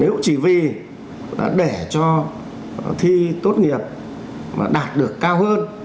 nếu chỉ vì để cho thi tốt nghiệp mà đạt được cao hơn